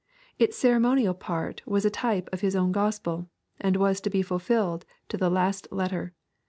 Its cer emonial part was a type of His own gospel, and was to be fulfilled to the last letter.